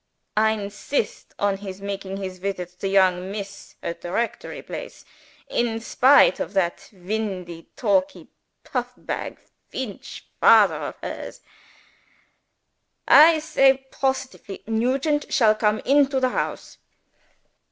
I insist on his making his visits to young Miss at the rectory place, in spite of that windy talky puff bag Feench father of hers. I say positively Nugent shall come into the house."